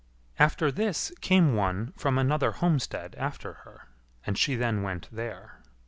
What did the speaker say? After this came one from another homestead after her, and she then went there.